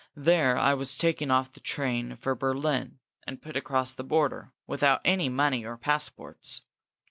There I was taken off the train for Berlin and put across the border, without any money or passports.